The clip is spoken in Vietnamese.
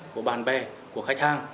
của bạn bè của khách hàng